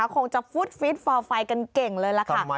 คงจะฟุตฟีดฟอร์ไฟกันเก่งเลยล่ะค่ะ